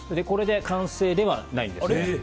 これで完成ではないんです。